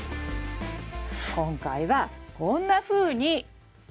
今回はこんなふうに。